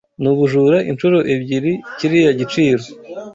Nubujura inshuro ebyiri kiriya giciro.